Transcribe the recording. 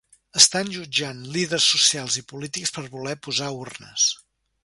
Estan jutjant líders socials i polítics per voler posar urnes.